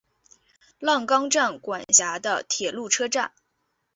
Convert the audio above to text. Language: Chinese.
浪冈站管辖的铁路车站。